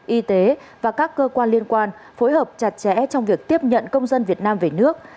y tế và các cơ quan liên quan phối hợp chặt chẽ trong việc tiếp nhận công dân việt nam về nước